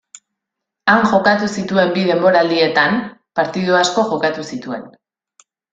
Han jokatu zituen bi denboraldietan partidu asko jokatu zituen.